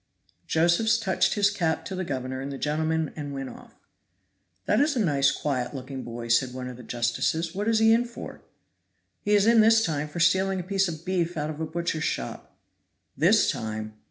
Josephs touched his cap to the governor and the gentlemen and went off. "That is a nice quiet looking boy," said one of the justices; "what is he in for?" "He is in this time for stealing a piece of beef out of a butcher's shop." "This time!